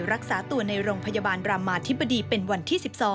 รักษาตัวในโรงพยาบาลรามาธิบดีเป็นวันที่๑๒